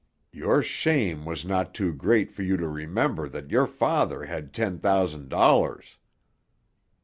Your shame was not too great for you to remember that your father had ten thousand dollars!"